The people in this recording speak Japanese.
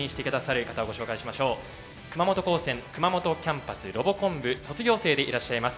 熊本高専熊本キャンパスロボコン部卒業生でいらっしゃいます。